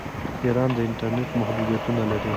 ایران د انټرنیټ محدودیتونه لري.